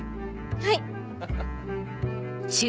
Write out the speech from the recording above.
はい！